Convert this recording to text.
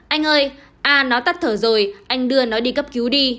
anh ơi a nó tắt thở rồi anh đưa nó đi cấp cứu đi